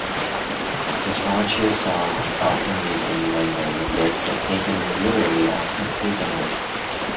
His raunchier songs often use innuendo, with lyrics that taken literally are perfectly benign.